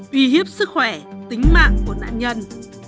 tùy hiếp sức khỏe tính mạng của nạn nhân